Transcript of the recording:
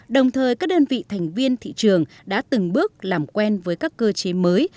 đồng thời các đơn vị thành viên thị trường đã từng bước làm quen với các cơ chế mới